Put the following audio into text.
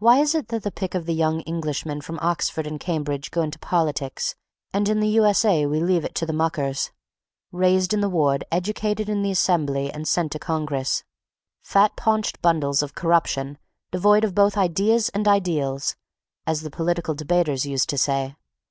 Why is it that the pick of the young Englishmen from Oxford and Cambridge go into politics and in the U. S. A. we leave it to the muckers?—raised in the ward, educated in the assembly and sent to Congress, fat paunched bundles of corruption, devoid of "both ideas and ideals" as the debaters used to say.